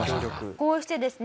こうしてですね